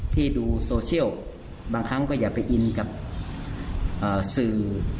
ที่ดูโซเชียลบางครั้งก็อย่าไปอินกับสื่อ